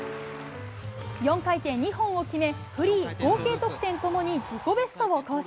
４回転２本を決めフリー合計得点共に自己ベストを更新。